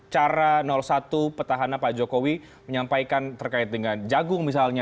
cara satu petahana pak jokowi menyampaikan terkait dengan jagung misalnya